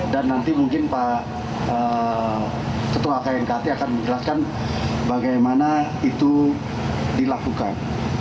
dan nanti mungkin pak ketua knkt akan menjelaskan bagaimana itu dilakukan